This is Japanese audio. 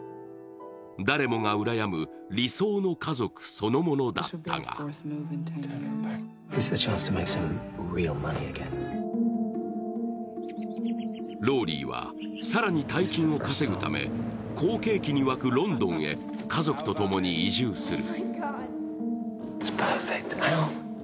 誰もがうらやむ理想の家族そのものだったがローリーは、更に大金を稼ぐため好景気に沸くロンドンへ家族と共に移住する。